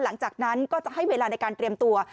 หลังจากนั้นก็จะให้เวลาในการเตรียมตัว